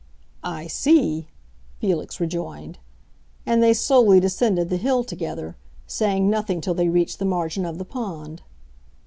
"I see!" Felix rejoined. And they slowly descended the hill together, saying nothing till they reached the margin of the pond.